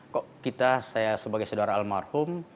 kok kita saya sebagai saudara almarhum